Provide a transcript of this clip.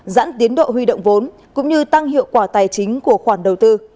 giãn tiến độ huy động vốn cũng như tăng hiệu quả tài chính của khoản đầu tư